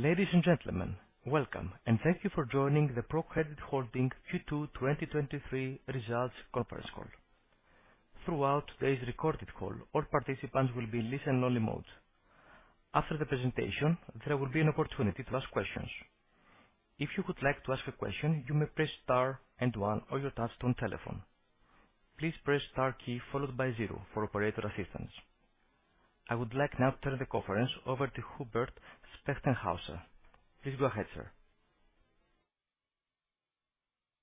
Ladies and gentlemen, welcome, and thank you for joining the ProCredit Holding Q2 2023 Results Conference Call. Throughout today's recorded call, all participants will be in listen-only mode. After the presentation, there will be an opportunity to ask questions. If you would like to ask a question, you may press star and one on your touch-tone telephone. Please press star key followed by zero for operator assistance. I would like now to turn the conference over to Hubert Spechtenhauser. Please go ahead, sir.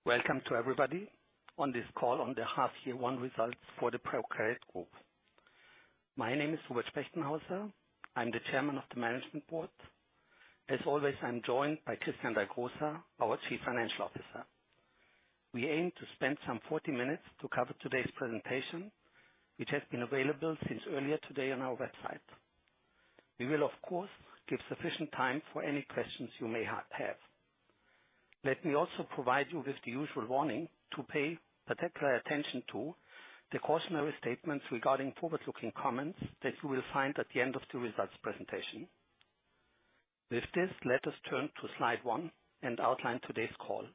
Welcome to everybody on this call on the half year one results for the ProCredit Group. My name is Hubert Spechtenhauser. I am the Chairman of the Management Board. As always, I am joined by Christian Dagrosa, our Chief Financial Officer. We aim to spend some 40 minutes to cover today's presentation, which has been available since earlier today on our website. We will, of course, give sufficient time for any questions you may have. Let me also provide you with the usual warning to pay particular attention to the cautionary statements regarding forward-looking comments that you will find at the end of the results presentation. With this, let us turn to slide one and outline today's call.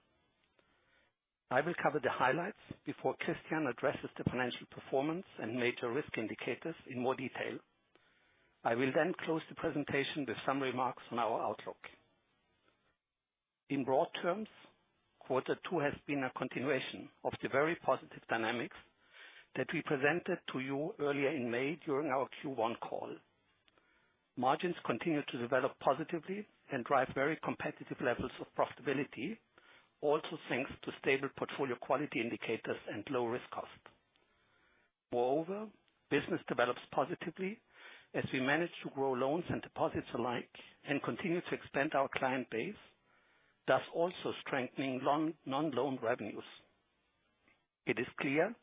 I will cover the highlights before Christian addresses the financial performance and major risk indicators in more detail. I will then close the presentation with some remarks on our outlook. In broad terms, quarter two has been a continuation of the very positive dynamics that we presented to you earlier in May during our Q1 call. Margins continue to develop positively and drive very competitive levels of profitability, also thanks to stable portfolio quality indicators and low risk cost. Moreover, business develops positively as we manage to grow loans and deposits alike and continue to expand our client base, thus also strengthening non-loan revenues. It is clear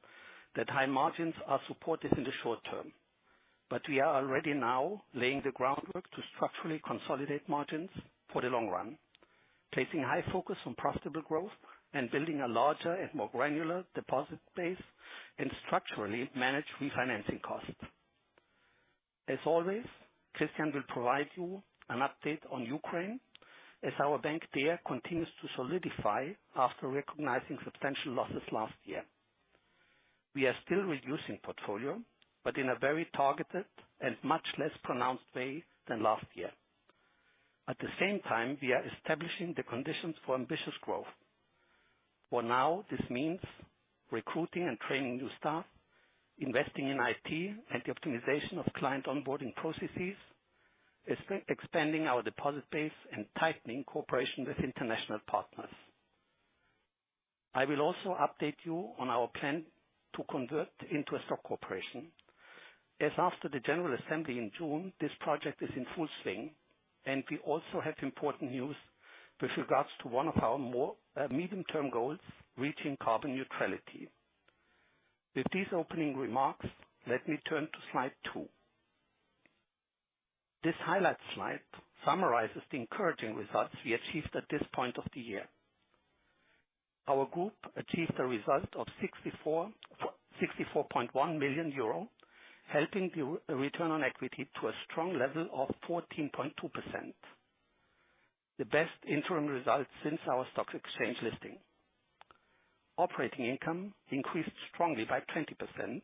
that high margins are supported in the short term, but we are already now laying the groundwork to structurally consolidate margins for the long run, placing high focus on profitable growth and building a larger and more granular deposit base and structurally manage refinancing costs. As always, Christian will provide you an update on Ukraine as our bank there continues to solidify after recognizing substantial losses last year. We are still reducing portfolio, but in a very targeted and much less pronounced way than last year. At the same time, we are establishing the conditions for ambitious growth. For now, this means recruiting and training new staff, investing in IT and the optimization of client onboarding processes, expanding our deposit base, and tightening cooperation with international partners. I will also update you on our plan to convert into a stock corporation, as after the general assembly in June, this project is in full swing and we also have important news with regards to one of our medium-term goals, reaching carbon neutrality. With these opening remarks, let me turn to slide two. This highlight slide summarizes the encouraging results we achieved at this point of the year. Our group achieved a result of 64.1 million euro, helping the return on equity to a strong level of 14.2%, the best interim results since our stock exchange listing. Operating income increased strongly by 20%,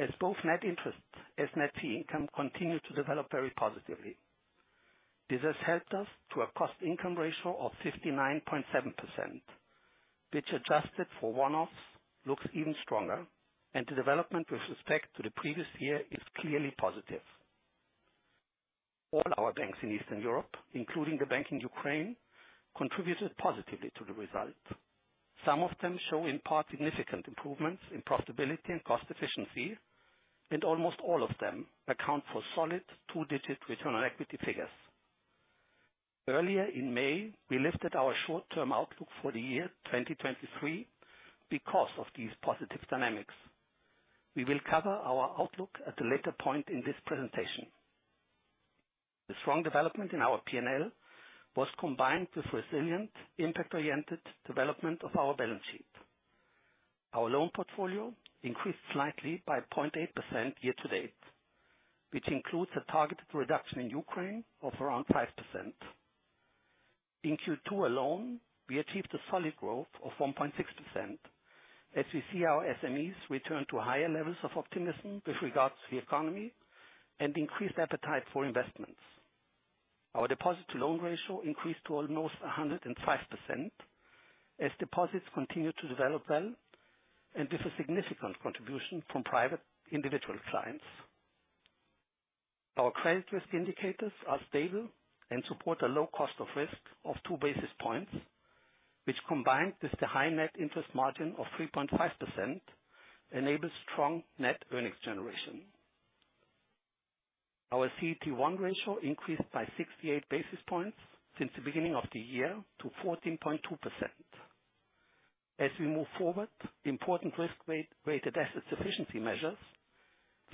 as both net interest as net fee income continue to develop very positively. This has helped us to a cost income ratio of 59.7%, which adjusted for one-offs looks even stronger. The development with respect to the previous year is clearly positive. All our banks in Eastern Europe, including the bank in Ukraine, contributed positively to the result. Some of them show, in part, significant improvements in profitability and cost efficiency, and almost all of them account for solid two-digit return on equity figures. Earlier in May, we lifted our short-term outlook for the year 2023 because of these positive dynamics. We will cover our outlook at a later point in this presentation. The strong development in our P&L was combined with resilient impact-oriented development of our balance sheet. Our loan portfolio increased slightly by 0.8% year to date, which includes a targeted reduction in Ukraine of around 5%. In Q2 alone, we achieved a solid growth of 1.6% as we see our SMEs return to higher levels of optimism with regards to the economy and increased appetite for investments. Our deposit to loan ratio increased to almost 105% as deposits continued to develop well and with a significant contribution from private individual clients. Our credit risk indicators are stable and support a low cost of risk of two basis points, which combined with the high net interest margin of 3.5%, enables strong net earnings generation. Our CET1 ratio increased by 68 basis points since the beginning of the year to 14.2%. Important risk-weighted asset sufficiency measures,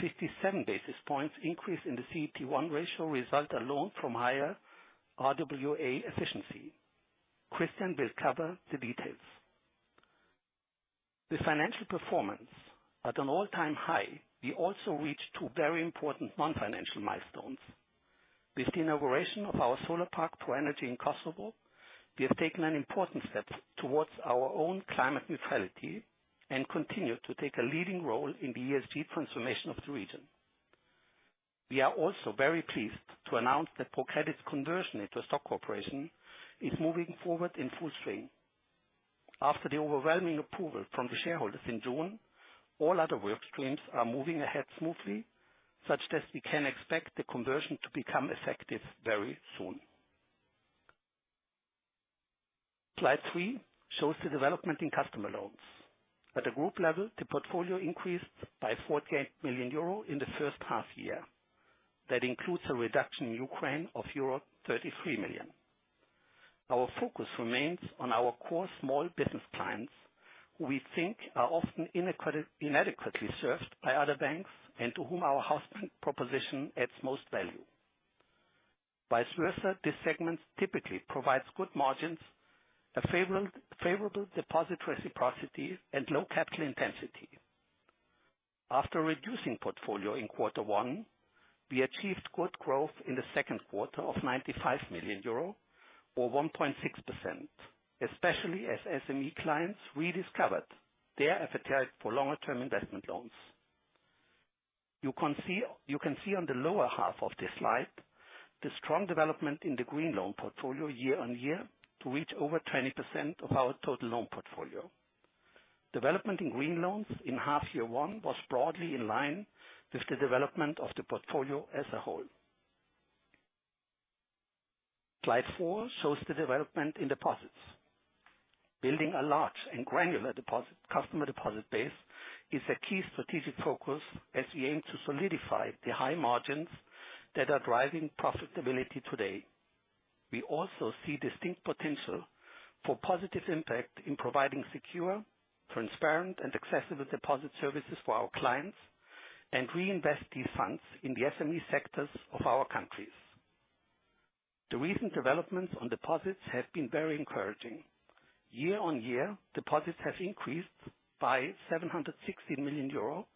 57 basis points increase in the CET1 ratio result alone from higher RWA efficiency. Christian will cover the details. The financial performance at an all-time high, we also reached two very important non-financial milestones. With the inauguration of our solar park, ProEnergy in Kosovo, we have taken an important step towards our own climate neutrality, and continue to take a leading role in the ESG transformation of the region. We are also very pleased to announce that ProCredit's conversion into a stock corporation is moving forward in full swing. After the overwhelming approval from the shareholders in June, all other work streams are moving ahead smoothly, such that we can expect the conversion to become effective very soon. Slide three shows the development in customer loans. At the group level, the portfolio increased by 48 million euro in the first half year. That includes a reduction in Ukraine of euro 33 million. Our focus remains on our core small business clients, who we think are often inadequately served by other banks, and to whom our house bank proposition adds most value. Vice versa, this segment typically provides good margins, a favorable deposit reciprocity, and low capital intensity. After reducing portfolio in quarter one, we achieved good growth in the second quarter of 95 million euro, or 1.6%, especially as SME clients rediscovered their appetite for longer term investment loans. You can see on the lower half of this slide, the strong development in the green loan portfolio year-on-year, to reach over 20% of our total loan portfolio. Development in green loans in half year one was broadly in line with the development of the portfolio as a whole. Slide four shows the development in deposits. Building a large and granular customer deposit base is a key strategic focus as we aim to solidify the high margins that are driving profitability today. We also see distinct potential for positive impact in providing secure, transparent, and accessible deposit services for our clients, and reinvest these funds in the SME sectors of our countries. The recent developments on deposits have been very encouraging. Year-on-year, deposits have increased by 760 million euro,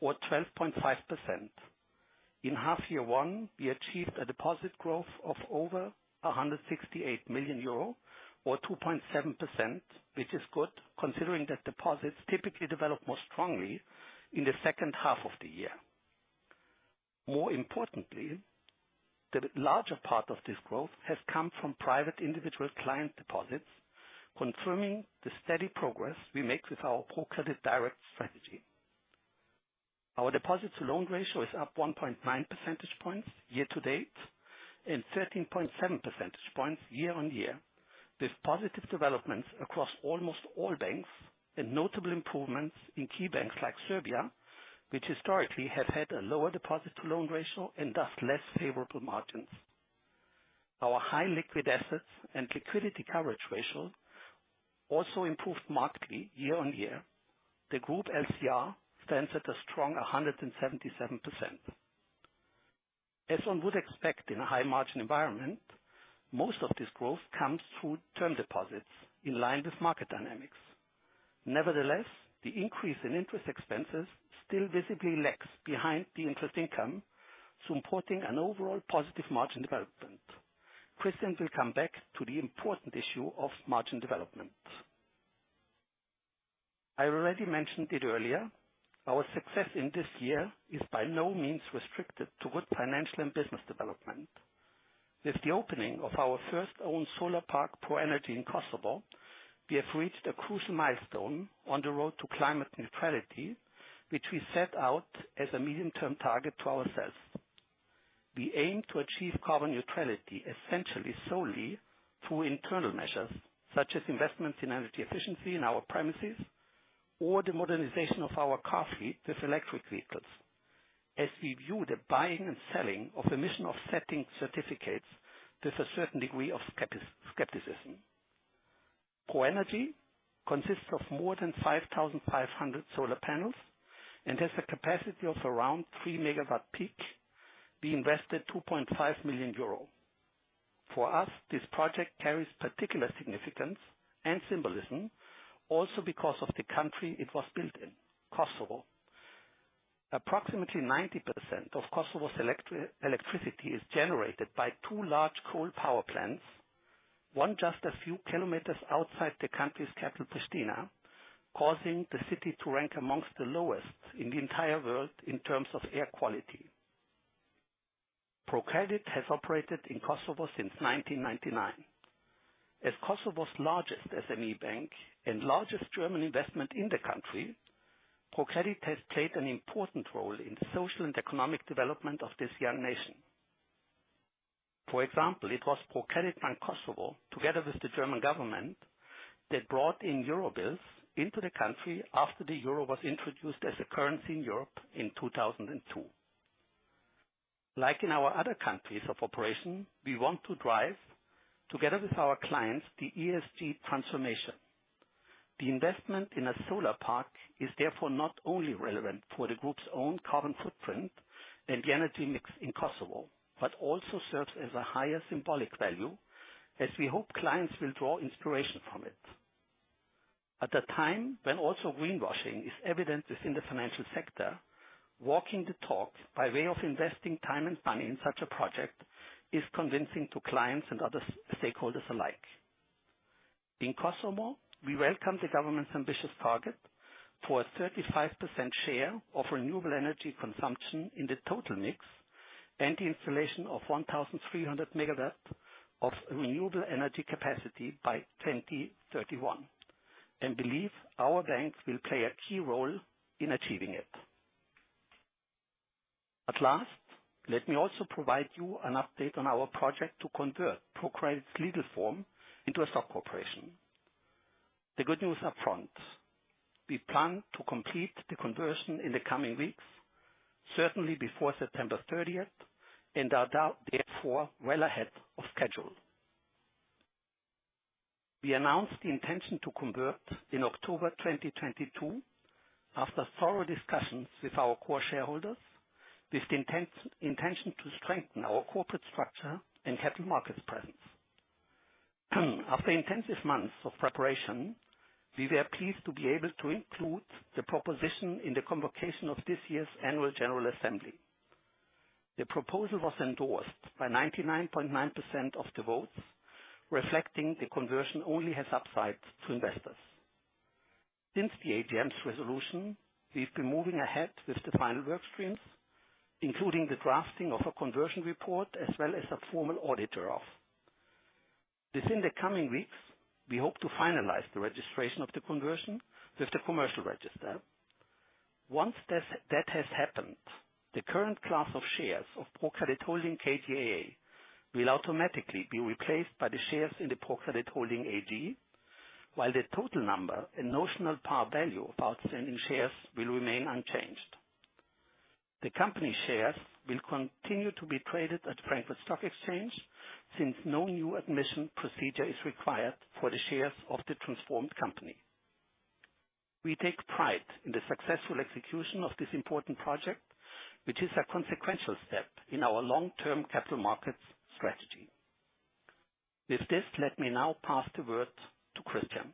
or 12.5%. In half year one, we achieved a deposit growth of over 168 million euro, or 2.7%, which is good considering that deposits typically develop more strongly in the second half of the year. More importantly, the larger part of this growth has come from private individual client deposits, confirming the steady progress we make with our ProCredit Direct strategy. Our deposits to loan ratio is up 1.9 percentage points year to date, and 13.7 percentage points year on year, with positive developments across almost all banks and notable improvements in key banks like Serbia, which historically have had a lower deposit to loan ratio and thus less favorable margins. Our high liquid assets and liquidity coverage ratio also improved markedly year on year. The group LCR stands at a strong 177%. As one would expect in a high margin environment, most of this growth comes through term deposits in line with market dynamics. Nevertheless, the increase in interest expenses still visibly lags behind the interest income, so importing an overall positive margin development. Christian will come back to the important issue of margin development. I already mentioned it earlier. Our success in this year is by no means restricted to good financial and business development. With the opening of our first own solar park, ProEnergy in Kosovo, we have reached a crucial milestone on the road to climate neutrality, which we set out as a medium-term target to ourselves. We aim to achieve carbon neutrality essentially solely through internal measures, such as investments in energy efficiency in our premises, or the modernization of our car fleet with electric vehicles, as we view the buying and selling of emission offsetting certificates with a certain degree of skepticism. ProEnergy consists of more than 5,500 solar panels and has a capacity of around 3 MWp. We invested 2.5 million euro. For us, this project carries particular significance and symbolism also because of the country it was built in, Kosovo. Approximately 90% of Kosovo's electricity is generated by two large coal power plants, one just a few kilometers outside the country's capital, Pristina, causing the city to rank amongst the lowest in the entire world in terms of air quality. ProCredit has operated in Kosovo since 1999. As Kosovo's largest SME bank and largest German investment in the country, ProCredit has played an important role in the social and economic development of this young nation. For example, it was ProCredit Bank Kosovo, together with the German government, that brought in euro bills into the country after the euro was introduced as a currency in Europe in 2002. Like in our other countries of operation, we want to drive, together with our clients, the ESG transformation. The investment in a solar park is therefore not only relevant for the group's own carbon footprint and the energy mix in Kosovo, but also serves as a higher symbolic value as we hope clients will draw inspiration from it. At the time when also greenwashing is evident within the financial sector, walking the talk by way of investing time and money in such a project is convincing to clients and other stakeholders alike. In Kosovo, we welcome the government's ambitious target for a 35% share of renewable energy consumption in the total mix and the installation of 1,300 MW of renewable energy capacity by 2031, and believe our banks will play a key role in achieving it. At last, let me also provide you an update on our project to convert ProCredit's legal form into a stock corporation. The good news up front, we plan to complete the conversion in the coming weeks, certainly before September 30th, and are therefore well ahead of schedule. We announced the intention to convert in October 2022 after thorough discussions with our core shareholders, with the intention to strengthen our corporate structure and capital markets presence. After intensive months of preparation, we were pleased to be able to include the proposition in the convocation of this year's annual general assembly. The proposal was endorsed by 99.9% of the votes, reflecting the conversion only has upsides to investors. Since the AGM's resolution, we've been moving ahead with the final work streams, including the drafting of a conversion report, as well as a formal audit thereof. Within the coming weeks, we hope to finalize the registration of the conversion with the commercial register. Once that has happened, the current class of shares of ProCredit Holding KGaA will automatically be replaced by the shares in the ProCredit Holding AG, while the total number and notional par value of outstanding shares will remain unchanged. The company shares will continue to be traded at Frankfurt Stock Exchange since no new admission procedure is required for the shares of the transformed company. We take pride in the successful execution of this important project, which is a consequential step in our long-term capital markets strategy. With this, let me now pass the word to Christian.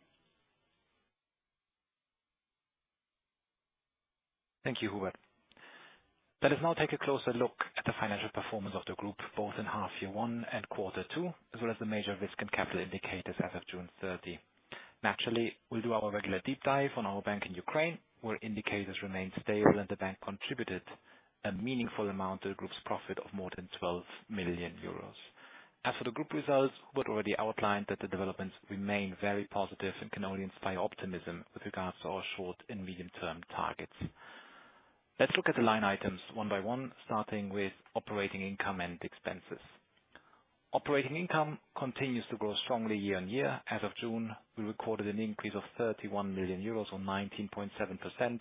Thank you, Hubert. Let us now take a closer look at the financial performance of the group, both in half year one and quarter two, as well as the major risk and capital indicators as of June 30. Naturally, we'll do our regular deep dive on our bank in Ukraine, where indicators remain stable and the bank contributed a meaningful amount to the group's profit of more than 12 million euros. As for the group results, we've already outlined that the developments remain very positive and can only inspire optimism with regards to our short and medium-term targets. Let's look at the line items one by one, starting with operating income and expenses. Operating income continues to grow strongly year-on-year. As of June, we recorded an increase of 31 million euros or 19.7%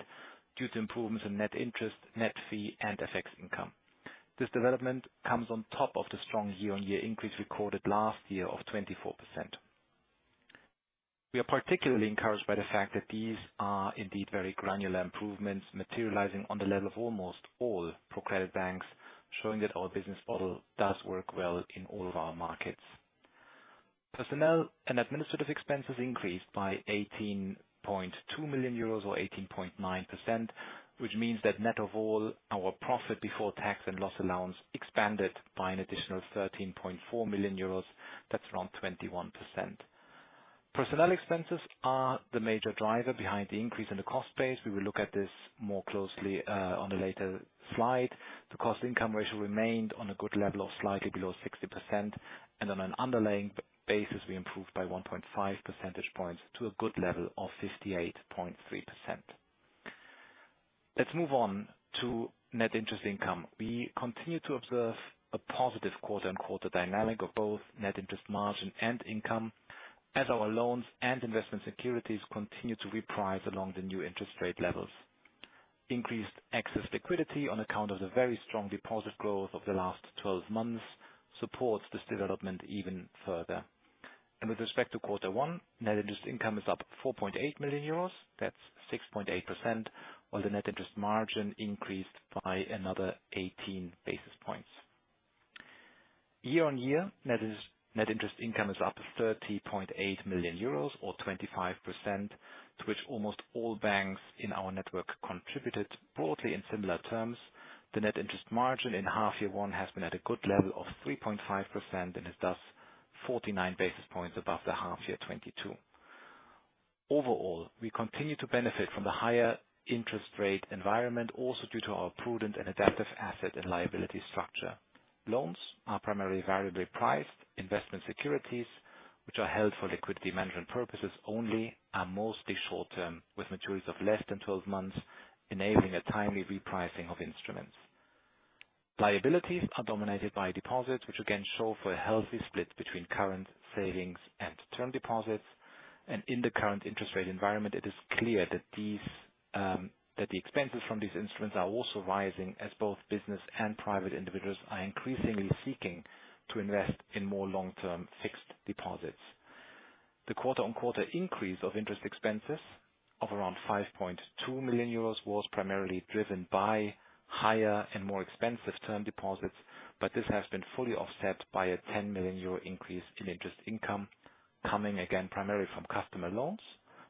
due to improvements in net interest, net fee, and FX income. This development comes on top of the strong year-on-year increase recorded last year of 24%. We are particularly encouraged by the fact that these are indeed very granular improvements materializing on the level of almost all ProCredit banks, showing that our business model does work well in all of our markets. Personnel and administrative expenses increased by 18.2 million euros or 18.9%, which means that net of all our profit before tax and loss allowance expanded by an additional 13.4 million euros. That's around 21%. Personnel expenses are the major driver behind the increase in the cost base. We will look at this more closely on a later slide. The cost-income ratio remained on a good level of slightly below 60%, and on an underlying basis, we improved by 1.5 percentage points to a good level of 58.3%. Let's move on to net interest income. We continue to observe a positive quarter-on-quarter dynamic of both net interest margin and income as our loans and investment securities continue to reprice along the new interest rate levels. Increased excess liquidity on account of the very strong deposit growth of the last 12 months supports this development even further. With respect to quarter one, net interest income is up 4.8 million euros. That's 6.8%, while the net interest margin increased by another 18 basis points. Year-on-year, net interest income is up 30.8 million euros or 25%, to which almost all banks in our network contributed broadly in similar terms. The net interest margin in half year one has been at a good level of 3.5% and is thus 49 basis points above the half year 2022. Overall, we continue to benefit from the higher interest rate environment, also due to our prudent and adaptive asset and liability structure. Loans are primarily variably priced. Investment securities, which are held for liquidity management purposes only, are mostly short-term, with maturities of less than 12 months, enabling a timely repricing of instruments. Liabilities are dominated by deposits, which again show for a healthy split between current savings and Term Deposits. In the current interest rate environment, it is clear that the expenses from these instruments are also rising as both business and private individuals are increasingly seeking to invest in more long-term fixed deposits. The quarter-on-quarter increase of interest expenses of around 5.2 million euros was primarily driven by higher and more expensive Term Deposits, but this has been fully offset by a 10 million euro increase in interest income, coming again, primarily from customer loans,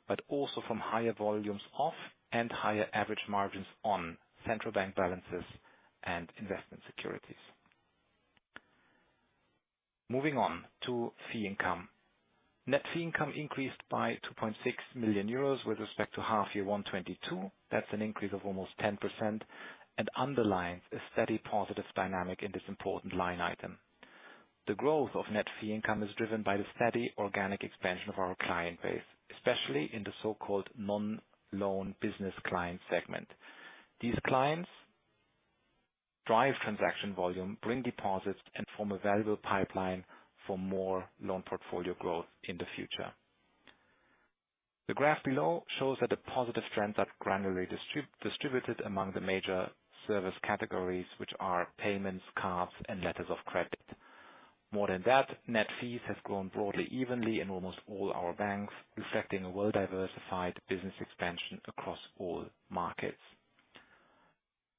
but also from higher volumes off and higher average margins on central bank balances and investment securities. Moving on to fee income. Net fee income increased by 2.6 million euros with respect to half year 2022. That's an increase of almost 10% and underlines a steady positive dynamic in this important line item. The growth of net fee income is driven by the steady organic expansion of our client base, especially in the so-called non-loan business client segment. These clients drive transaction volume, bring deposits, and form a valuable pipeline for more loan portfolio growth in the future. The graph below shows that the positive trends are granularly distributed among the major service categories, which are payments, cards, and letters of credit. More than that, net fees have grown broadly evenly in almost all our banks, reflecting a well-diversified business expansion across all markets.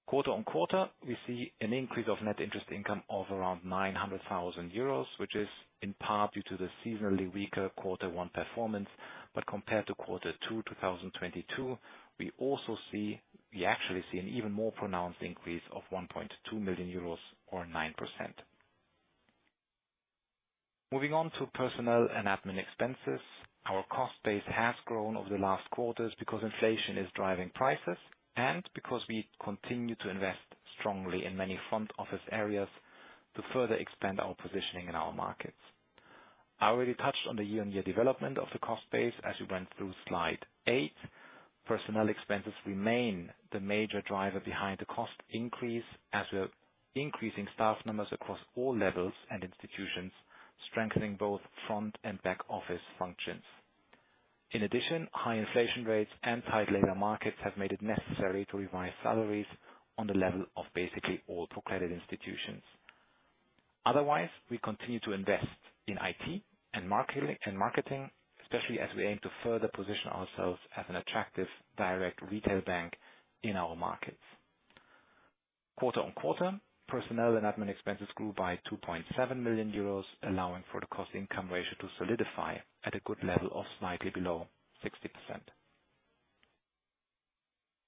Quarter-on-quarter, we see an increase of net interest income of around 900,000 euros, which is in part due to the seasonally weaker quarter one performance. Compared to quarter two 2022, we actually see an even more pronounced increase of 1.2 million euros or 9%. Moving on to personnel and admin expenses. Our cost base has grown over the last quarters because inflation is driving prices and because we continue to invest strongly in many front office areas to further expand our positioning in our markets. I already touched on the year-on-year development of the cost base as we went through slide eight. Personnel expenses remain the major driver behind the cost increase, as we're increasing staff numbers across all levels and institutions, strengthening both front and back office functions. In addition, high inflation rates and tight labor markets have made it necessary to revise salaries on the level of basically all ProCredit institutions. Otherwise, we continue to invest in IT and marketing, especially as we aim to further position ourselves as an attractive direct retail bank in our markets. Quarter-on-quarter, personnel and admin expenses grew by 2.7 million euros, allowing for the cost-income ratio to solidify at a good level of slightly below 60%.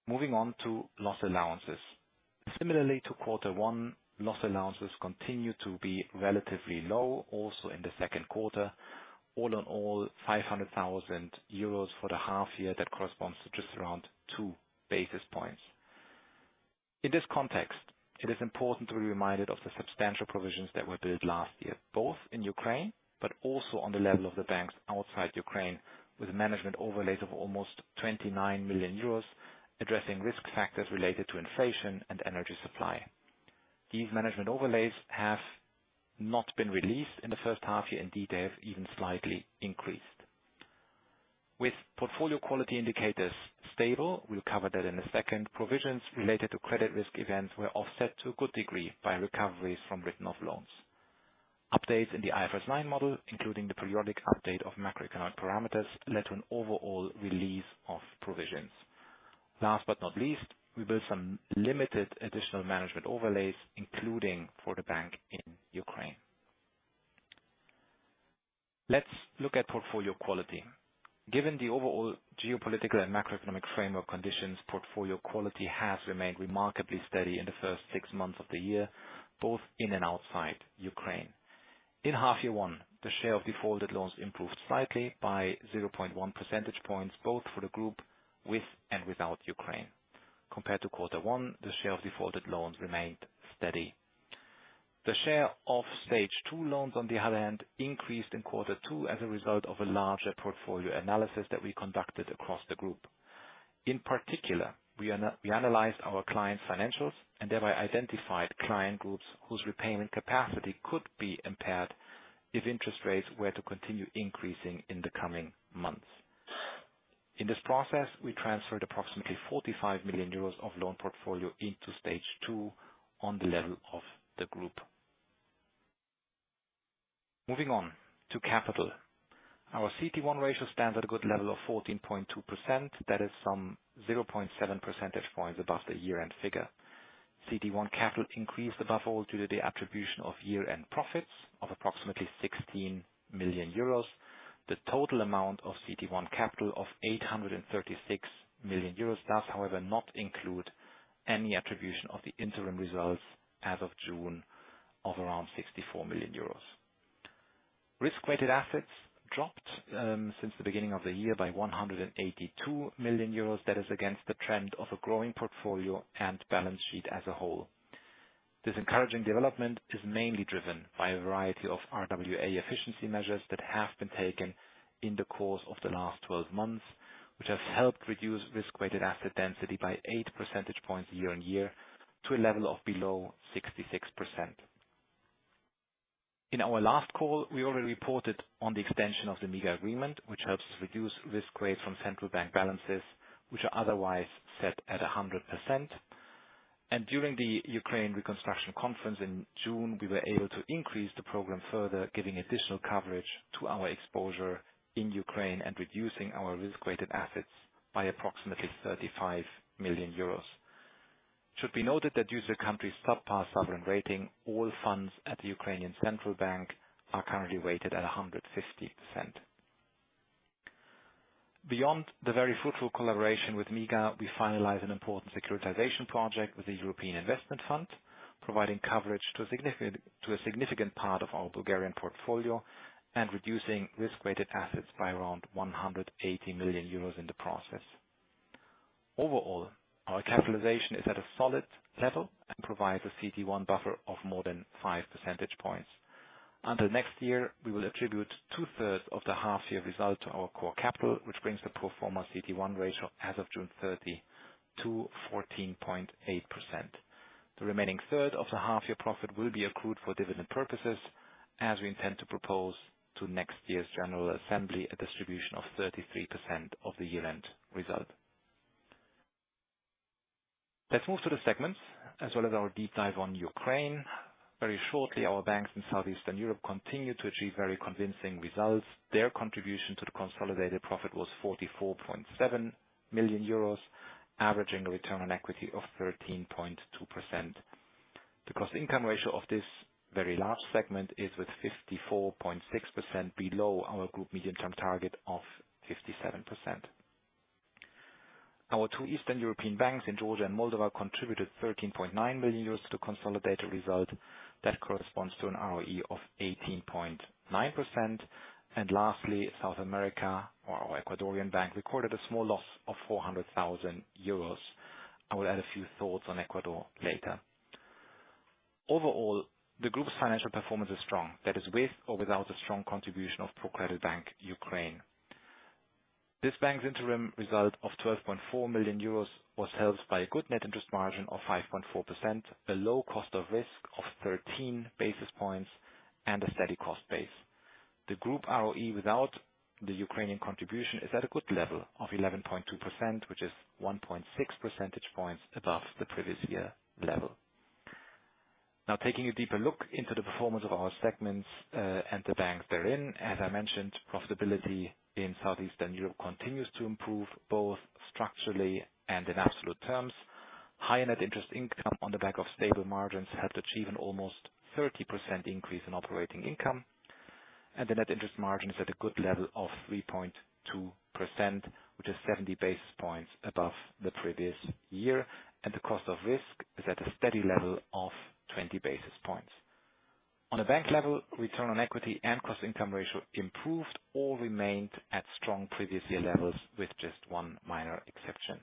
Moving on to loss allowances. Similarly to quarter one, loss allowances continued to be relatively low also in the second quarter. All in all, 500,000 euros for the half year. That corresponds to just around two basis points. In this context, it is important to be reminded of the substantial provisions that were billed last year, both in Ukraine but also on the level of the banks outside Ukraine, with management overlays of almost 29 million euros, addressing risk factors related to inflation and energy supply. These management overlays have not been released in the first half year. Indeed, they have even slightly increased. With portfolio quality indicators stable, we'll cover that in a second, provisions related to credit risk events were offset to a good degree by recoveries from written-off loans. Updates in the IFRS 9 model, including the periodic update of macroeconomic parameters, led to an overall release of provisions. Last but not least, we built some limited additional management overlays, including for the bank in Ukraine. Let's look at portfolio quality. Given the overall geopolitical and macroeconomic framework conditions, portfolio quality has remained remarkably steady in the first six months of the year, both in and outside Ukraine. In half year one, the share of defaulted loans improved slightly by 0.1 percentage points, both for the group with and without Ukraine. Compared to quarter one, the share of defaulted loans remained steady. The share of stage two loans, on the other hand, increased in quarter two as a result of a larger portfolio analysis that we conducted across the group. In particular, we analyzed our clients' financials and thereby identified client groups whose repayment capacity could be impaired if interest rates were to continue increasing in the coming months. In this process, we transferred approximately 45 million euros of loan portfolio into stage two on the level of the group. Moving on to capital. Our CET1 ratio stands at a good level of 14.2%. That is some 0.7 percentage points above the year-end figure. CET1 capital increased above all due to the attribution of year-end profits of approximately 16 million euros. The total amount of CET1 capital of 836 million euros does, however, not include any attribution of the interim results as of June of around 64 million euros. Risk-weighted assets dropped since the beginning of the year by 182 million euros. That is against the trend of a growing portfolio and balance sheet as a whole. This encouraging development is mainly driven by a variety of RWA efficiency measures that have been taken in the course of the last 12 months, which have helped reduce risk-weighted asset density by eight percentage points year-on-year to a level of below 66%. In our last call, we already reported on the extension of the MIGA agreement, which helps us reduce risk weight from central bank balances, which are otherwise set at 100%. During the Ukraine Recovery Conference in June, we were able to increase the program further, giving additional coverage to our exposure in Ukraine and reducing our risk-weighted assets by approximately 35 million euros. Should be noted that due to the country's sub-par sovereign rating, all funds at the Ukrainian Central Bank are currently weighted at 150%. Beyond the very fruitful collaboration with MIGA, we finalized an important securitization project with the European Investment Fund, providing coverage to a significant part of our Bulgarian portfolio and reducing risk-weighted assets by around 180 million euros in the process. Overall, our capitalization is at a solid level and provides a CET1 buffer of more than five percentage points. Under next year, we will attribute 2/3 of the half-year result to our core capital, which brings the pro forma CET1 ratio as of June 30 to 14.8%. The remaining 1/3 of the half-year profit will be accrued for dividend purposes, as we intend to propose to next year's General Assembly a distribution of 33% of the year-end result. Let's move to the segments, as well as our deep dive on Ukraine. Very shortly, our banks in Southeastern Europe continued to achieve very convincing results. Their contribution to the consolidated profit was 44.7 million euros, averaging a return on equity of 13.2%. The cost-income ratio of this very large segment is with 54.6% below our group medium-term target of 57%. Our two Eastern European banks in Georgia and Moldova contributed 13.9 million euros to the consolidated result. That corresponds to an ROE of 18.9%. Lastly, South America or our Ecuadorian bank, recorded a small loss of 400,000 euros. I will add a few thoughts on Ecuador later. Overall, the group's financial performance is strong. That is with or without a strong contribution of ProCredit Bank, Ukraine. This bank's interim result of 12.4 million euros was helped by a good net interest margin of 5.4%, a low cost of risk of 13 basis points, and a steady cost base. The group ROE, without the Ukrainian contribution, is at a good level of 11.2%, which is 1.6 percentage points above the previous year level. Taking a deeper look into the performance of our segments, and the banks therein, as I mentioned, profitability in Southeastern Europe continues to improve both structurally and in absolute terms. Higher net interest income on the back of stable margins helped achieve an almost 30% increase in operating income. The net interest margin is at a good level of 3.2%, which is 70 basis points above the previous year, and the cost of risk is at a steady level of 20 basis points. On a bank level, return on equity and cost-income ratio improved or remained at strong previous year levels with just one minor exception.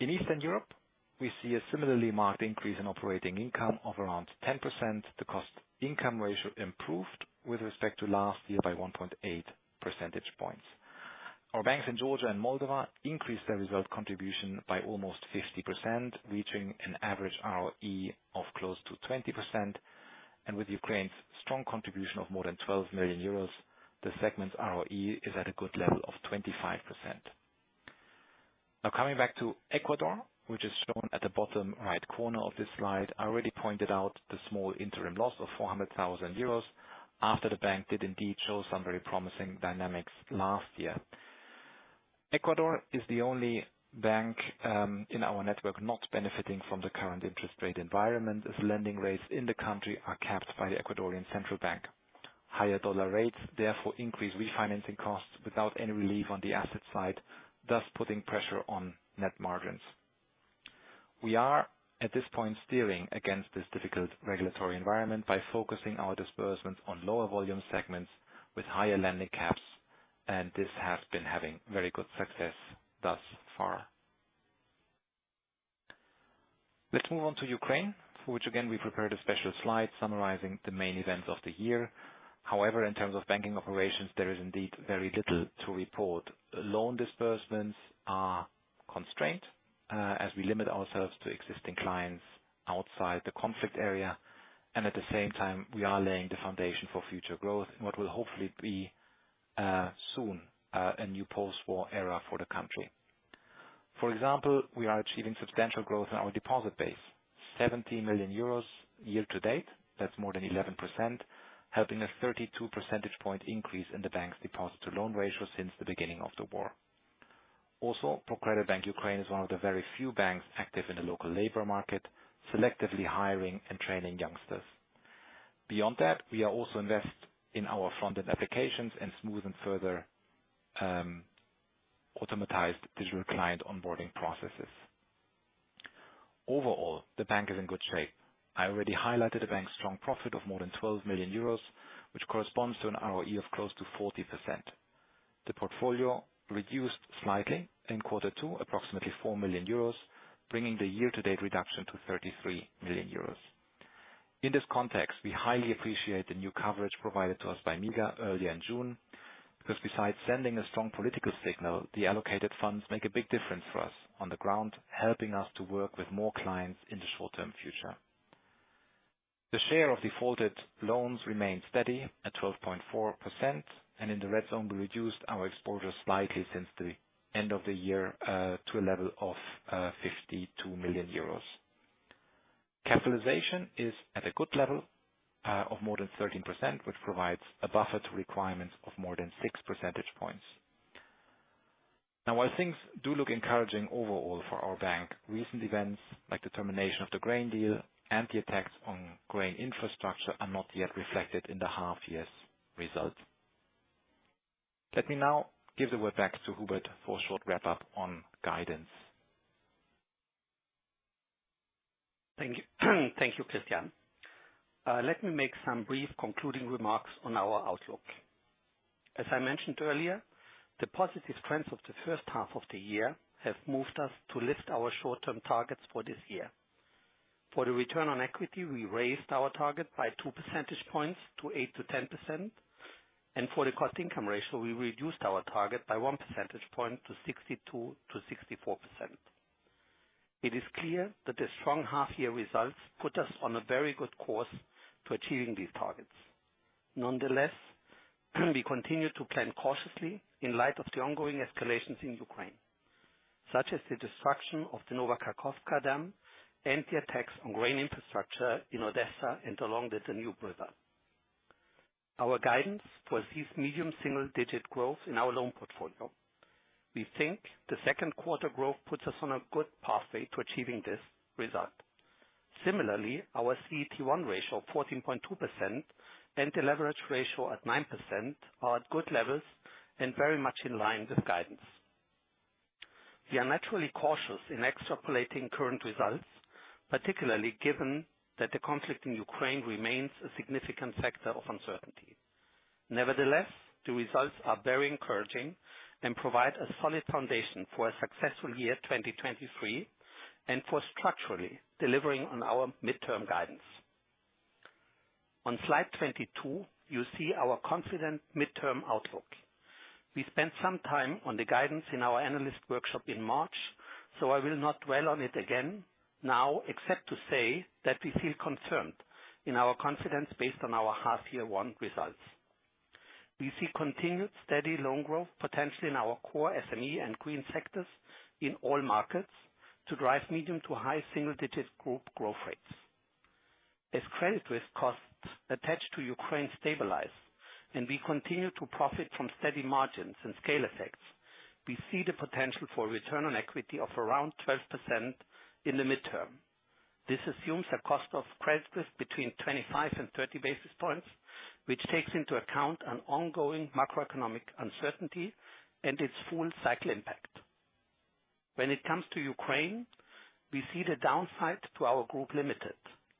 In Eastern Europe, we see a similarly marked increase in operating income of around 10%. The cost-income ratio improved with respect to last year by 1.8 percentage points. Our banks in Georgia and Moldova increased their result contribution by almost 50%, reaching an average ROE of close to 20%. With Ukraine's strong contribution of more than 12 million euros, the segment's ROE is at a good level of 25%. Coming back to Ecuador, which is shown at the bottom right corner of this slide. I already pointed out the small interim loss of 400,000 euros after the bank did indeed show some very promising dynamics last year. Ecuador is the only bank in our network not benefiting from the current interest rate environment, as lending rates in the country are capped by the Ecuadorian Central Bank. Higher dollar rates, therefore, increase refinancing costs without any relief on the asset side, thus putting pressure on net margins. We are, at this point, steering against this difficult regulatory environment by focusing our disbursements on lower volume segments with higher lending caps, and this has been having very good success thus far. Let's move on to Ukraine, for which again, we prepared a special slide summarizing the main events of the year. However, in terms of banking operations, there is indeed very little to report. Loan disbursements are constrained as we limit ourselves to existing clients outside the conflict area, and at the same time, we are laying the foundation for future growth in what will hopefully be soon a new post-war era for the country. For example, we are achieving substantial growth in our deposit base. 70 million euros year to date, that's more than 11%, helping a 32 percentage point increase in the bank's deposit-to-loan ratio since the beginning of the war. Also, ProCredit Bank Ukraine is one of the very few banks active in the local labor market, selectively hiring and training youngsters. Beyond that, we are also invest in our front-end applications and smooth and further automatized digital client onboarding processes. Overall, the bank is in good shape. I already highlighted the bank's strong profit of more than 12 million euros, which corresponds to an ROE of close to 40%. The portfolio reduced slightly in quarter two, approximately 4 million euros, bringing the year-to-date reduction to 33 million euros. In this context, we highly appreciate the new coverage provided to us by MIGA earlier in June, because besides sending a strong political signal, the allocated funds make a big difference for us on the ground, helping us to work with more clients in the short-term future. The share of defaulted loans remains steady at 12.4%, and in the red zone, we reduced our exposure slightly since the end of the year, to a level of 52 million euros. Capitalization is at a good level of more than 13%, which provides a buffer to requirements of more than six percentage points. While things do look encouraging overall for our bank, recent events like the termination of the grain deal and the attacks on grain infrastructure are not yet reflected in the half-year's result. Let me now give the word back to Hubert for a short wrap-up on guidance. Thank you, Christian. Let me make some brief concluding remarks on our outlook. As I mentioned earlier, the positive trends of the first half of the year have moved us to lift our short-term targets for this year. For the return on equity, we raised our target by two percentage points to 8%-10%, and for the cost-income ratio, we reduced our target by one percentage point to 62%-64%. It is clear that the strong half-year results put us on a very good course to achieving these targets. We continue to plan cautiously in light of the ongoing escalations in Ukraine, such as the destruction of the Nova Kakhovka dam and the attacks on grain infrastructure in Odessa and along the Danube River. Our guidance foresees medium single-digit growth in our loan portfolio. We think the second quarter growth puts us on a good pathway to achieving this result. Similarly, our CET1 ratio of 14.2% and the leverage ratio at 9% are at good levels and very much in line with guidance. We are naturally cautious in extrapolating current results, particularly given that the conflict in Ukraine remains a significant factor of uncertainty. The results are very encouraging and provide a solid foundation for a successful year 2023 and for structurally delivering on our midterm guidance. On slide 22, you see our confident midterm outlook. We spent some time on the guidance in our analyst workshop in March, so I will not dwell on it again now except to say that we feel confirmed in our confidence based on our half year one results. We see continued steady loan growth, potentially in our core SME and green sectors in all markets to drive medium to high single-digit group growth rates. As credit risk costs attached to Ukraine stabilize, and we continue to profit from steady margins and scale effects, we see the potential for return on equity of around 12% in the midterm. This assumes a cost of credit risk between 25 and 30 basis points, which takes into account an ongoing macroeconomic uncertainty and its full cycle impact. When it comes to Ukraine, we see the downside to our group limited,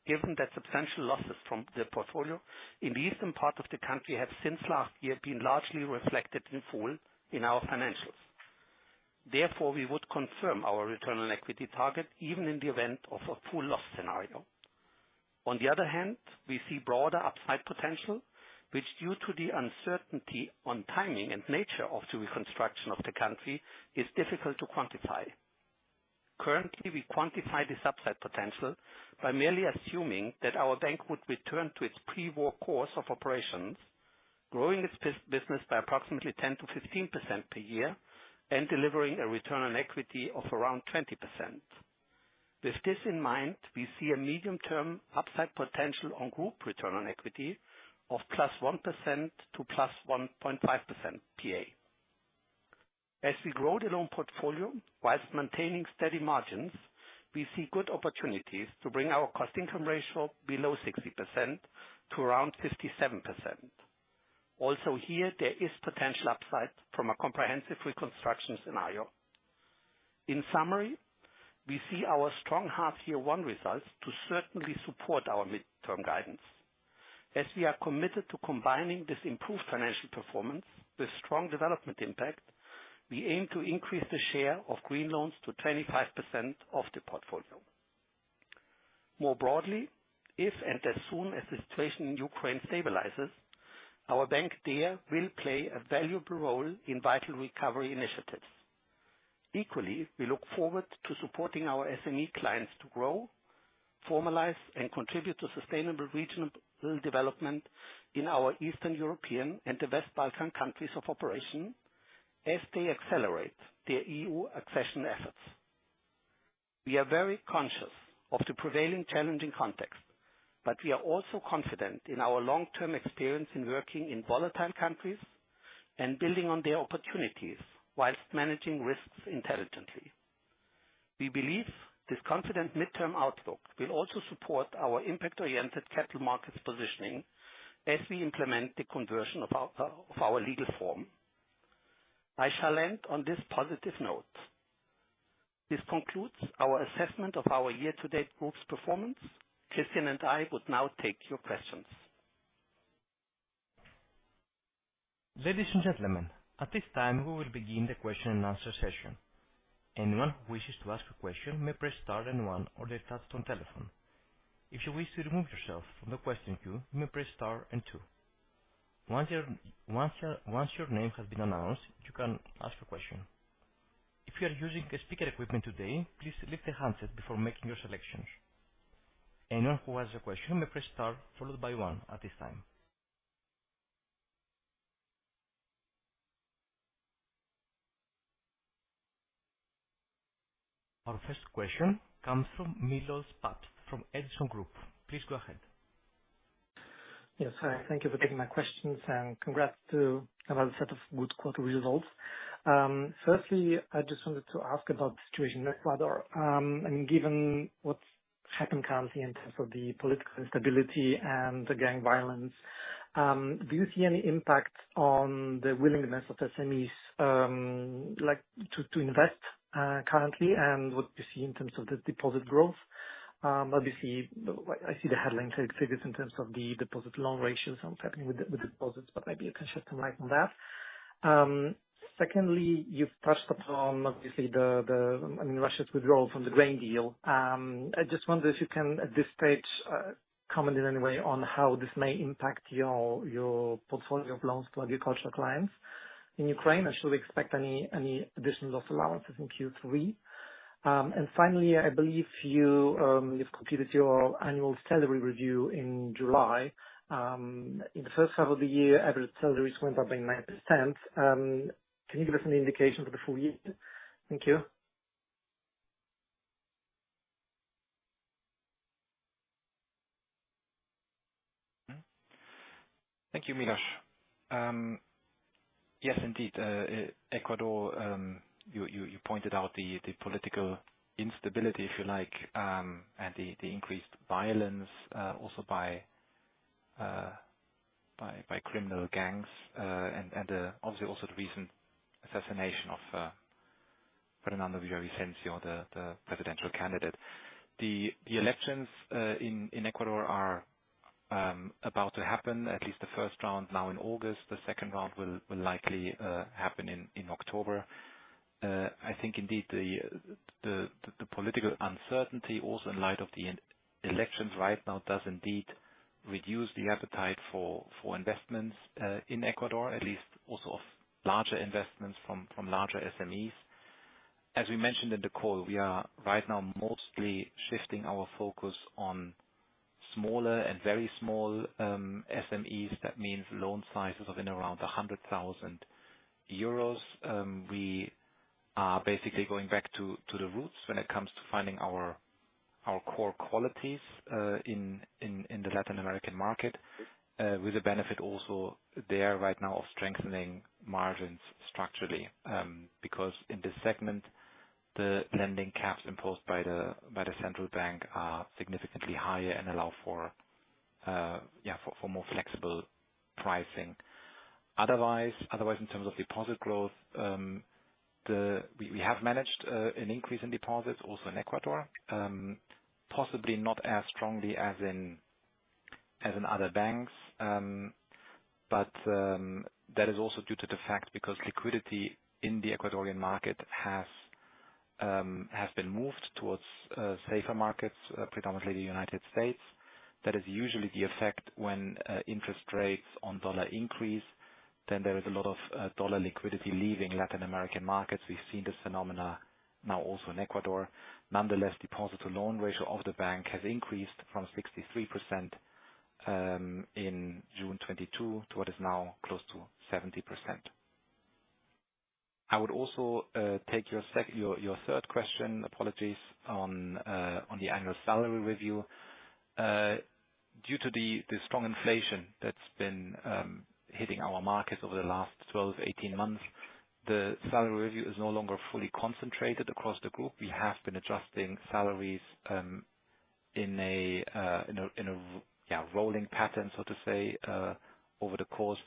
given that substantial losses from the portfolio in the eastern part of the country have since last year been largely reflected in full in our financials. We would confirm our return on equity target even in the event of a full loss scenario. On the other hand, we see broader upside potential, which, due to the uncertainty on timing and nature of the reconstruction of the country, is difficult to quantify. Currently, we quantify this upside potential by merely assuming that our bank would return to its pre-war course of operations, growing its business by approximately 10%-15% per year and delivering a return on equity of around 20%. With this in mind, we see a medium-term upside potential on group return on equity of +1% to +1.5% PA. As we grow the loan portfolio whilst maintaining steady margins, we see good opportunities to bring our cost-income ratio below 60% to around 57%. Also here, there is potential upside from a comprehensive reconstruction scenario. In summary, we see our strong half year one results to certainly support our midterm guidance. As we are committed to combining this improved financial performance with strong development impact, we aim to increase the share of green loans to 25% of the portfolio. More broadly, if and as soon as the situation in Ukraine stabilizes, our bank there will play a valuable role in vital recovery initiatives. Equally, we look forward to supporting our SME clients to grow, formalize, and contribute to sustainable regional development in our Eastern European and the West Balkan countries of operation as they accelerate their EU accession efforts. We are very conscious of the prevailing challenging context, we are also confident in our long-term experience in working in volatile countries and building on their opportunities whilst managing risks intelligently. We believe this confident midterm outlook will also support our impact-oriented capital markets positioning as we implement the conversion of our legal form. I shall end on this positive note. This concludes our assessment of our year-to-date group's performance. Christian and I would now take your questions. Ladies and gentlemen, at this time, we will begin the question and answer session. Anyone who wishes to ask a question may press star then one on their touch-tone telephone. If you wish to remove yourself from the question queue, you may press star and two. Once your name has been announced, you can ask a question. If you are using speaker equipment today, please lift the handset before making your selections. Anyone who has a question may press star followed by one at this time. Our first question comes from Milosz Papst from Edison Group. Please go ahead. Yes. Thank you for taking my questions and congrats to another set of good quarter results. Firstly, I just wanted to ask about the situation in Ecuador. Given what's happened currently in terms of the political instability and the gang violence, do you see any impact on the willingness of SMEs to invest currently, and what you see in terms of the deposit growth? Obviously, I see the headline figures in terms of the deposit loan ratios and what's happening with deposits, but maybe you can shed some light on that. Secondly, you've touched upon, obviously, Russia's withdrawal from the grain deal. I just wonder if you can, at this stage, comment in any way on how this may impact your portfolio of loans to agricultural clients in Ukraine, and should we expect any additional loss allowances in Q3? Finally, I believe you've completed your annual salary review in July. In the first half of the year, average salaries went up by 9%. Can you give us any indication for the full year? Thank you. Thank you, Milosz. Yes, indeed. Ecuador, you pointed out the political instability, if you like, and the increased violence, also by criminal gangs. Obviously, also the recent assassination of Fernando Villavicencio, the presidential candidate. The elections in Ecuador are about to happen, at least the first round now in August. The second round will likely happen in October. I think indeed the political uncertainty, also in light of the elections right now, does indeed reduce the appetite for investments in Ecuador, at least also of larger investments from larger SMEs. As we mentioned in the call, we are right now mostly shifting our focus on smaller and very small SMEs. That means loan sizes of in around 100,000 euros. We are basically going back to the roots when it comes to finding our core qualities in the Latin American market, with the benefit also there right now of strengthening margins structurally. In this segment, the lending caps imposed by the Central Bank of Ecuador are significantly higher and allow for more flexible pricing. Otherwise, in terms of deposit growth, we have managed an increase in deposits also in Ecuador. Possibly not as strongly as in other banks, but that is also due to the fact because liquidity in the Ecuadorian market has been moved towards safer markets, predominantly the U.S. That is usually the effect when interest rates on USD increase, then there is a lot of USD liquidity leaving Latin American markets. We've seen this phenomenon now also in Ecuador. Nonetheless, deposit to loan ratio of the bank has increased from 63% in June 2022 to what is now close to 70%. I would also take your third question, apologies, on the annual salary review. Due to the strong inflation that's been hitting our markets over the last 12-18 months, the salary review is no longer fully concentrated across the group. We have been adjusting salaries in a rolling pattern, so to say, over the course.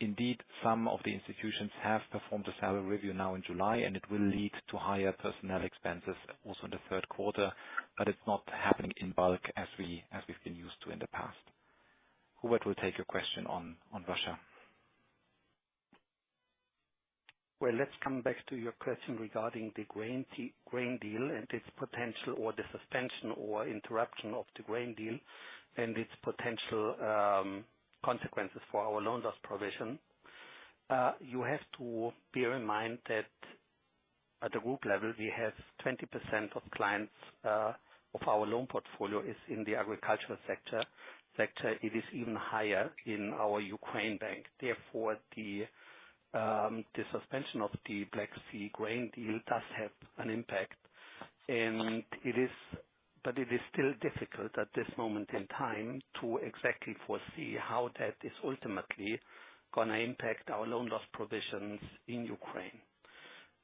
Indeed, some of the institutions have performed a salary review now in July, and it will lead to higher personnel expenses also in the third quarter, but it's not happening in bulk as we've been used to in the past. Hubert will take your question on Russia. Let's come back to your question regarding the grain deal and its potential, or the suspension or interruption of the grain deal, and its potential consequences for our loan loss provision. You have to bear in mind that at the group level, we have 20% of clients of our loan portfolio is in the agricultural sector. It is even higher in our ProCredit Bank. Therefore, the suspension of the Black Sea grain deal does have an impact. It is still difficult at this moment in time to exactly foresee how that is ultimately going to impact our loan loss provisions in Ukraine.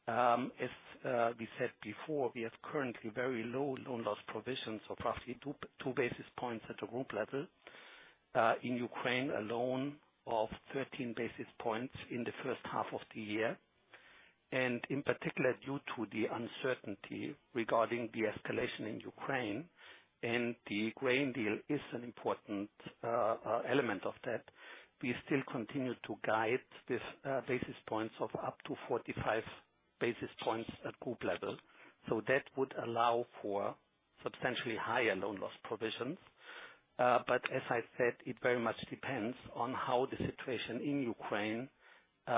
As we said before, we have currently very low loan loss provisions of roughly two basis points at the group level. In Ukraine alone, of 13 basis points in the first half of the year. In particular, due to the uncertainty regarding the escalation in Ukraine, and the grain deal is an important element of that, we still continue to guide these basis points of up to 45 basis points at group level. That would allow for substantially higher loan loss provisions. As I said, it very much depends on how the situation in Ukraine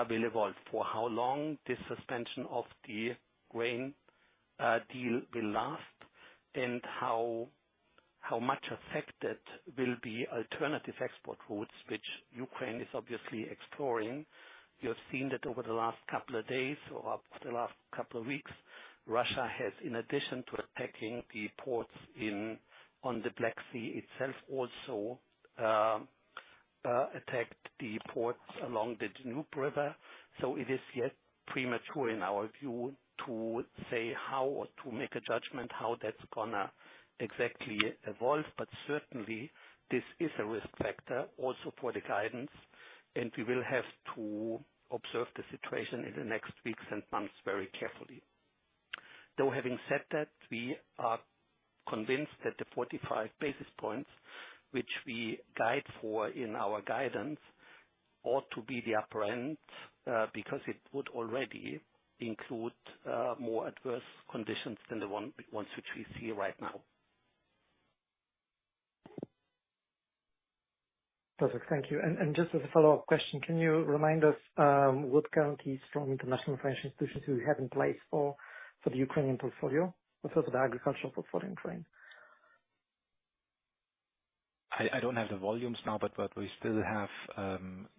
will evolve, for how long the suspension of the grain deal will last, and how much affected will be alternative export routes, which Ukraine is obviously exploring. You have seen that over the last couple of days or the last couple of weeks, Russia has, in addition to attacking the ports on the Black Sea itself, also attacked the ports along the Danube River. It is yet premature in our view to say how, or to make a judgment how that's going to exactly evolve. Certainly, this is a risk factor also for the guidance, and we will have to observe the situation in the next weeks and months very carefully. Though having said that, we are convinced that the 45 basis points, which we guide for in our guidance, ought to be the upper end, because it would already include more adverse conditions than the ones which we see right now. Perfect. Thank you. Just as a follow-up question, can you remind us what guarantees from international financial institutions you have in place for the Ukrainian portfolio? Also for the agricultural portfolio in Ukraine. I don't have the volumes now, but we still have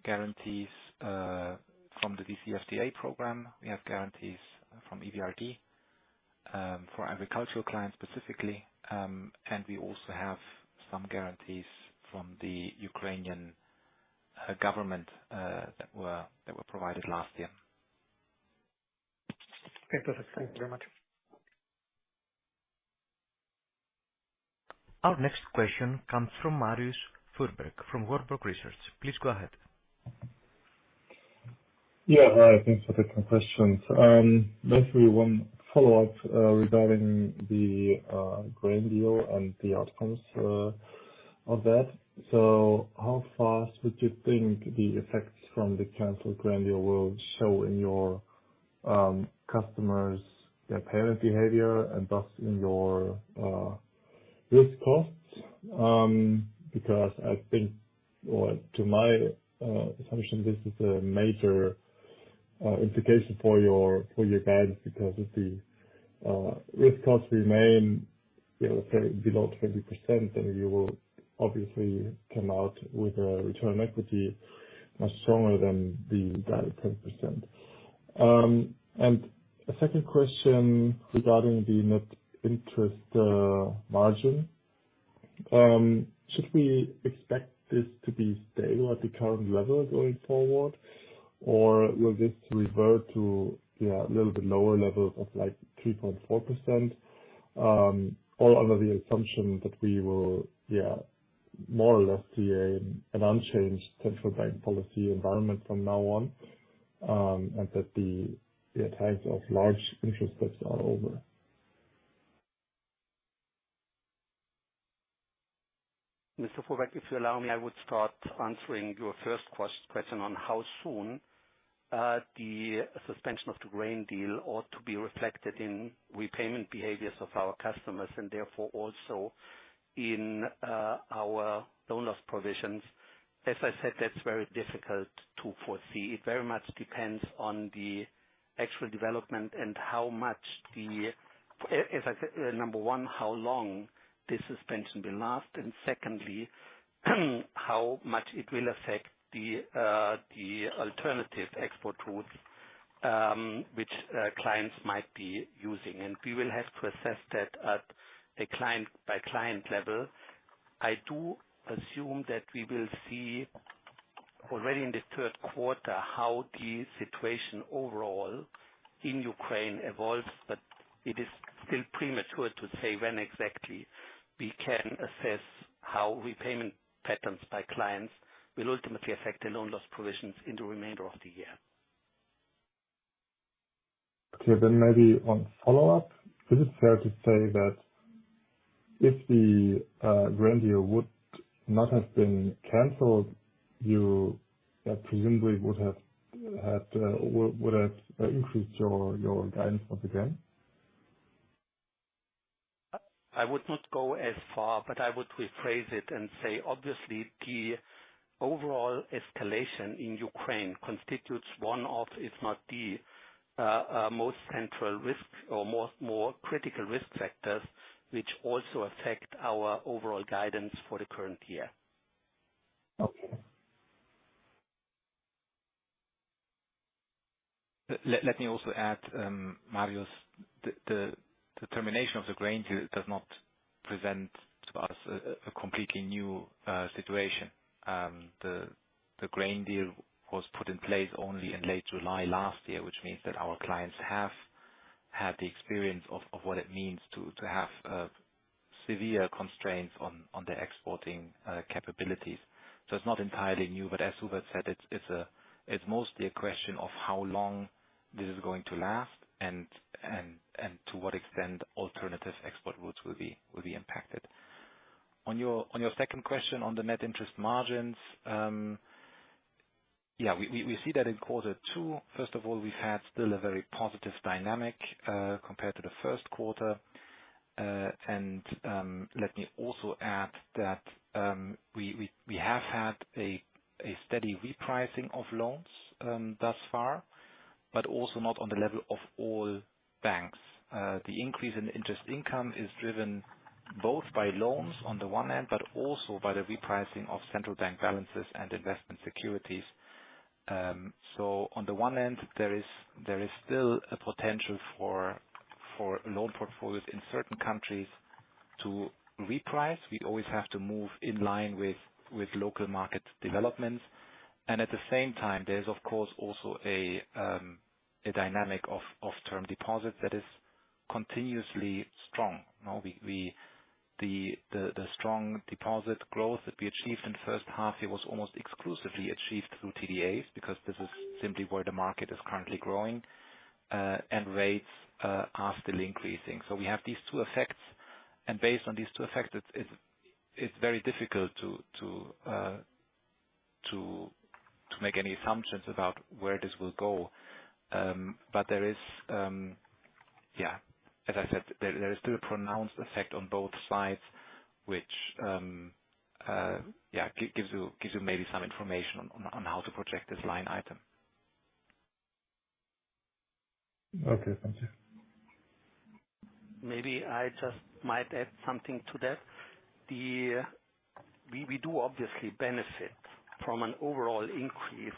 guarantees from the DCFTA program. We have guarantees from EBRD for agricultural clients specifically, and we also have some guarantees from the Ukrainian government that were provided last year. Okay, perfect. Thank you very much. Our next question comes from Marius Fuhrberg from Warburg Research. Please go ahead. Hi, thanks for taking the questions. Basically, one follow-up regarding the grain deal and the outcomes of that. How fast would you think the effects from the canceled grain deal will show in your customers' repayment behavior and thus in your risk costs? I think, or to my assumption, this is a major implication for your guidance because if the risk costs remain below 20%, you will obviously come out with a return on equity much stronger than the guided 10%. A second question regarding the net interest margin. Should we expect this to be stable at the current level going forward? Or will this revert to a little bit lower levels of like 3.4%? All under the assumption that we will more or less see an unchanged central bank policy environment from now on, and that the times of large interest rates are over. Mr. Fuhrberg, if you allow me, I would start answering your first question on how soon the suspension of the grain deal ought to be reflected in repayment behaviors of our customers and therefore also in our loan loss provisions. As I said, that is very difficult to foresee. It very much depends on the actual development and how much As I said, number one, how long the suspension will last, and secondly, how much it will affect the alternative export routes which clients might be using. We will have to assess that at a client-by-client level. I do assume that we will see already in the third quarter how the situation overall in Ukraine evolves, but it is still premature to say when exactly we can assess how repayment patterns by clients will ultimately affect the loan loss provisions in the remainder of the year. Okay, maybe one follow-up. Is it fair to say that if the grain deal would not have been canceled, you presumably would have increased your guidance once again? I would not go as far. I would rephrase it and say, obviously, the overall escalation in Ukraine constitutes one of, if not the, most central risk or more critical risk factors which also affect our overall guidance for the current year. Okay. Let me also add, Marius, the termination of the grain deal does not present to us a completely new situation. The grain deal was put in place only in late July last year, which means that our clients have had the experience of what it means to have severe constraints on their exporting capabilities. It's not entirely new, as Hubert said, it's mostly a question of how long this is going to last and to what extent alternative export routes will be impacted. On your second question on the net interest margins. Yeah, we see that in quarter two. First of all, we've had still a very positive dynamic compared to the first quarter. Let me also add that we have had a steady repricing of loans thus far, but also not on the level of all banks. The increase in interest income is driven both by loans on the one hand, but also by the repricing of central bank balances and investment securities. On the one end, there is still a potential for loan portfolios in certain countries to reprice. We always have to move in line with local market developments. At the same time, there's, of course, also a dynamic of term deposits that is continuously strong. The strong deposit growth that we achieved in the first half, it was almost exclusively achieved through TDs because this is simply where the market is currently growing, and rates are still increasing. We have these two effects, and based on these two effects, it's very difficult to make any assumptions about where this will go. There is, as I said, there is still a pronounced effect on both sides, which gives you maybe some information on how to project this line item. Okay. Thank you. Maybe I just might add something to that. We do obviously benefit from an overall increase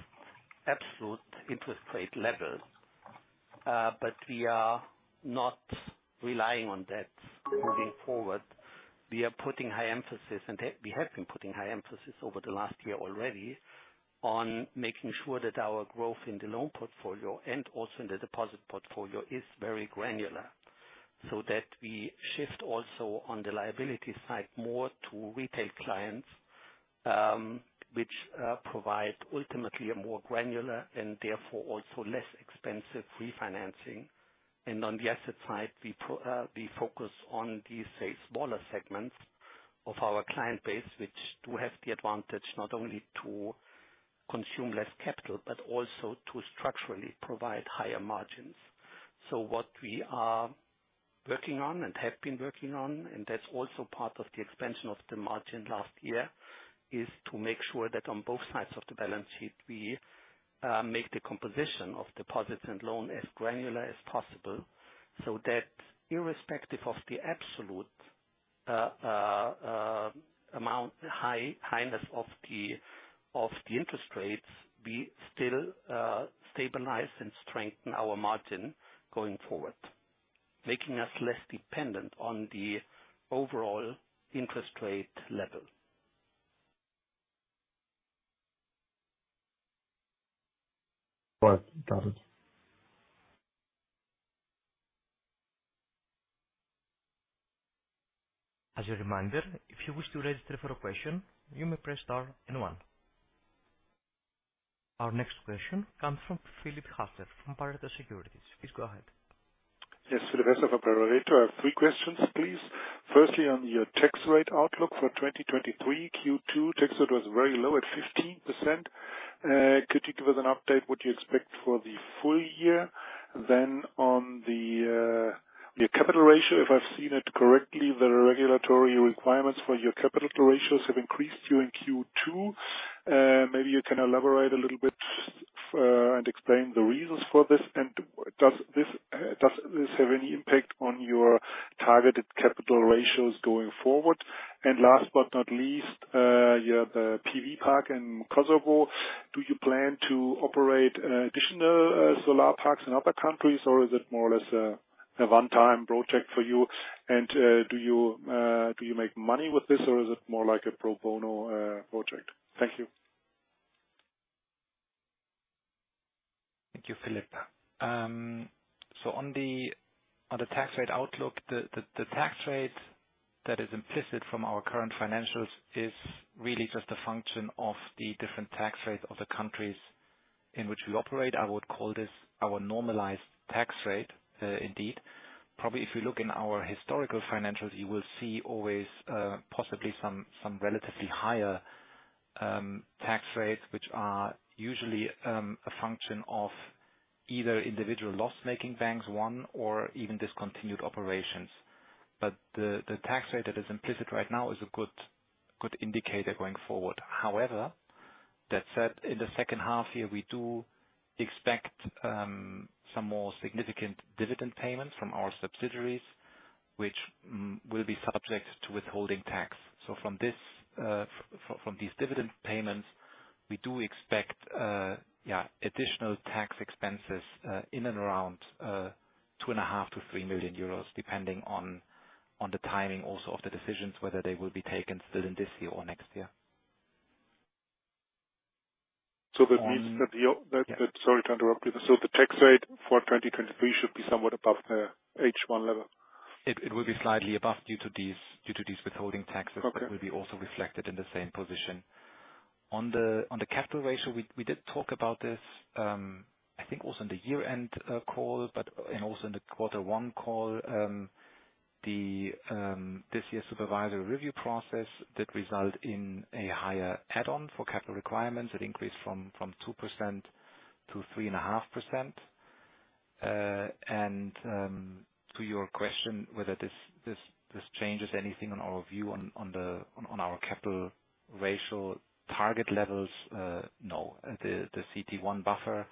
absolute interest rate level, but we are not relying on that moving forward. We are putting high emphasis, and we have been putting high emphasis over the last year already on making sure that our growth in the loan portfolio and also in the deposit portfolio is very granular, so that we shift also on the liability side more to retail clients, which provide ultimately a more granular and therefore also less expensive refinancing. On the asset side, we focus on these, say, smaller segments of our client base, which do have the advantage not only to consume less capital, but also to structurally provide higher margins. What we are working on and have been working on, and that's also part of the expansion of the margin last year, is to make sure that on both sides of the balance sheet, we make the composition of deposits and loan as granular as possible so that irrespective of the absolute amount highness of the interest rates, we still stabilize and strengthen our margin going forward, making us less dependent on the overall interest rate level. Well, got it. As a reminder, if you wish to register for a question, you may press star and one. Our next question comes from Philipp Hässler from Pareto Securities. Please go ahead. Yes, Philipp Hässler from Pareto. I have three questions, please. Firstly, on your tax rate outlook for 2023 Q2, tax rate was very low at 15%. Could you give us an update what you expect for the full year? On your capital ratio, if I've seen it correctly, the regulatory requirements for your capital ratios have increased during Q2. Maybe you can elaborate a little bit and explain the reasons for this. Does this have any impact on your targeted capital ratios going forward? Last but not least, your PV park in Kosovo, do you plan to operate additional solar parks in other countries, or is it more or less a one-time project for you? Do you make money with this, or is it more like a pro bono project? Thank you. Thank you, Philipp. On the tax rate outlook, the tax rate that is implicit from our current financials is really just a function of the different tax rates of the countries in which we operate. I would call this our normalized tax rate, indeed. Probably if you look in our historical financials, you will see always possibly some relatively higher tax rates, which are usually a function of either individual loss-making banks, one, or even discontinued operations. The tax rate that is implicit right now is a good indicator going forward. However, that said, in the second half year, we do expect some more significant dividend payments from our subsidiaries, which will be subject to withholding tax. From these dividend payments, we do expect additional tax expenses in and around 2.5 million to 3 million euros, depending on the timing also of the decisions, whether they will be taken still in this year or next year. That means that. Sorry to interrupt you. The tax rate for 2023 should be somewhat above the H1 level? It will be slightly above due to these withholding taxes. Okay. That will be also reflected in the same position. On the capital ratio, we did talk about this, I think also in the year-end call, and also in the quarter one call. The this year's supervisory review process did result in a higher add-on for capital requirements. It increased from 2% to 3.5%. To your question, whether this changes anything on our view on our capital ratio target levels, no. The CET1 buffer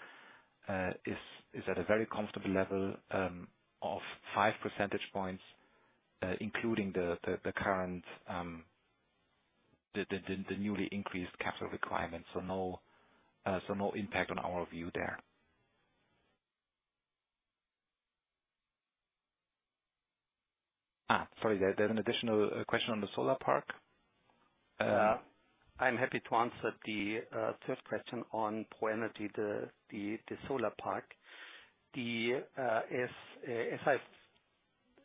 is at a very comfortable level of five percentage points, including the newly increased capital requirements. No impact on our view there. Sorry, there's an additional question on the solar park. Yeah. I'm happy to answer the third question on ProEnergy, the solar park. As I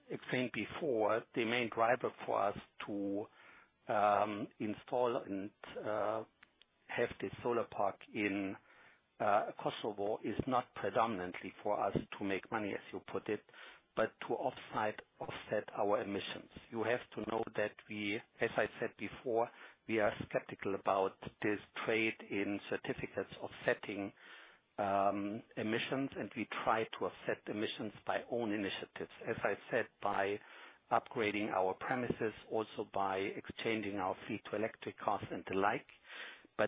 explained before, the main driver for us to install and have the solar park in Kosovo is not predominantly for us to make money, as you put it, but to offset our emissions. You have to know that we, as I said before, we are skeptical about this trade in certificates offsetting emissions, and we try to offset emissions by own initiatives, as I said, by upgrading our premises, also by exchanging our fleet to electric cars and the like.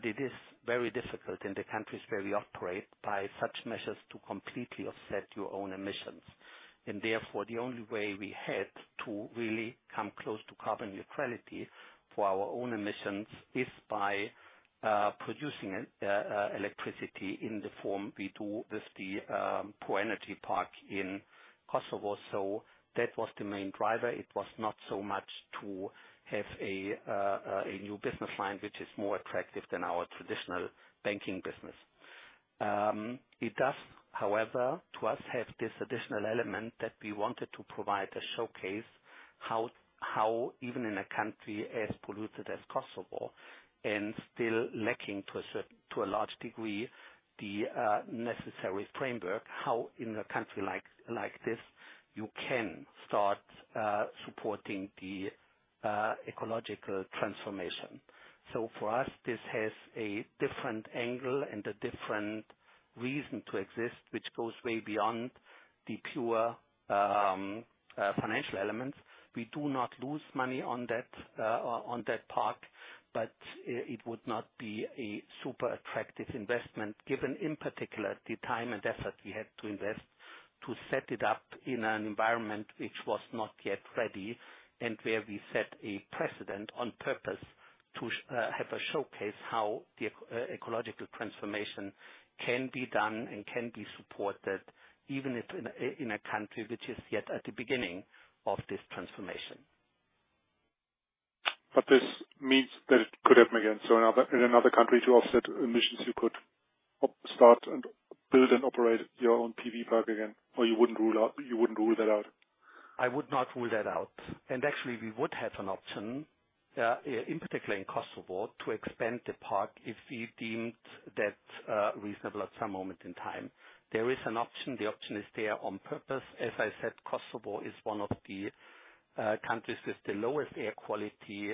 It is very difficult in the countries where we operate by such measures to completely offset your own emissions. Therefore, the only way we had to really come close to carbon neutrality for our own emissions is by producing electricity in the form we do with the ProEnergy park in Kosovo. That was the main driver. It was not so much to have a new business line, which is more attractive than our traditional banking business. It does, however, to us, have this additional element that we wanted to provide a showcase how even in a country as polluted as Kosovo and still lacking to a large degree the necessary framework, how in a country like this, you can start supporting the ecological transformation. For us, this has a different angle and a different reason to exist, which goes way beyond the pure financial elements. We do not lose money on that park, but it would not be a super attractive investment given, in particular, the time and effort we had to invest to set it up in an environment which was not yet ready and where we set a precedent on purpose to have a showcase how the ecological transformation can be done and can be supported, even if in a country which is yet at the beginning of this transformation. This means that it could happen again. In another country to offset emissions, you could start and build and operate your own PV park again? You wouldn't rule that out? I would not rule that out. Actually, we would have an option, in particular in Kosovo, to expand the park if we deemed that reasonable at some moment in time. There is an option. The option is there on purpose. As I said, Kosovo is one of the countries with the lowest air quality,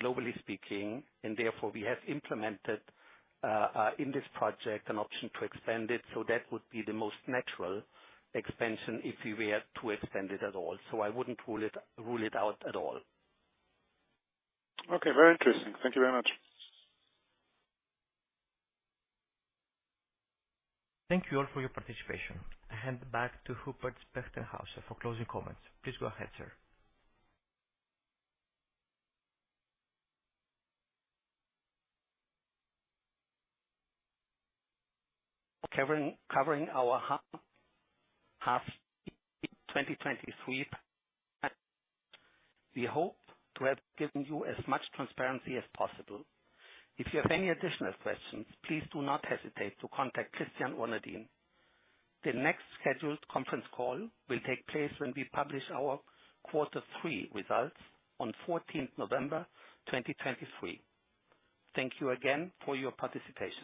globally speaking, and therefore we have implemented in this project an option to expand it. That would be the most natural expansion if we were to expand it at all. I wouldn't rule it out at all. Okay. Very interesting. Thank you very much. Thank you all for your participation. I hand back to Hubert Spechtenhauser for closing comments. Please go ahead, sir. Covering our half 2023. We hope to have given you as much transparency as possible. If you have any additional questions, please do not hesitate to contact Christian or Nadine. The next scheduled conference call will take place when we publish our quarter three results on November 14th, 2023. Thank you again for your participation.